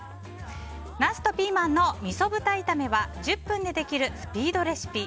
ナスとピーマンのみそ豚炒めは１０分でできるスピードレシピ。